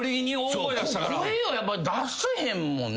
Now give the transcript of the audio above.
声をやっぱ出せへんもんね。